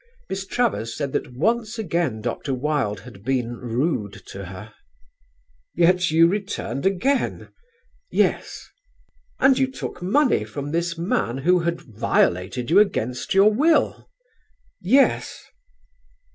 Miss Travers said that once again Dr. Wilde had been rude to her. "Yet you returned again?" "Yes." "And you took money from this man who had violated you against your will?" "Yes."